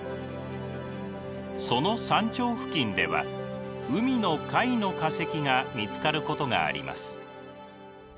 その山頂付近では海の貝の化石が見つかることがあります。